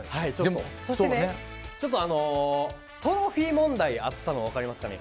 そして、トロフィー問題あったの分かりますかね？